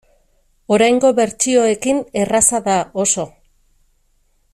Oraingo bertsioekin erraza da, oso.